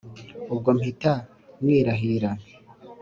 Ubwo mpita mwirahira